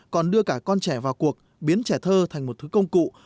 còn đưa cả con trẻ vào cuộc biến trẻ thơ thành một thứ công cụ